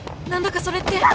何だかそれって